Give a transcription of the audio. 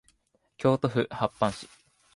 京都府八幡市